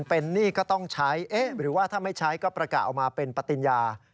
เป็นหนี้ก็ต้องใช้เอ๊ะหรือว่าถ้าไม่ใช้ก็ประกาศออกมาเป็นปฏิญญา